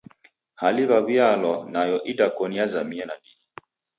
Hali w'aw'ialwa nayo idakoni yazamie nandighi.